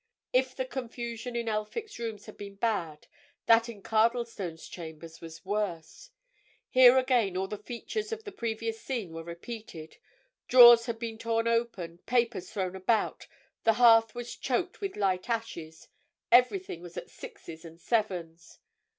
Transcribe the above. If the confusion in Elphick's rooms had been bad, that in Cardlestone's chambers was worse. Here again all the features of the previous scene were repeated—drawers had been torn open, papers thrown about; the hearth was choked with light ashes; everything was at sixes and sevens.